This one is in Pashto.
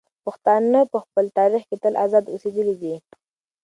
پښتانه په خپل تاریخ کې تل ازاد اوسېدلي دي.